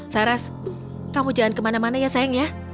saras kamu jangan kemana mana ya sayang ya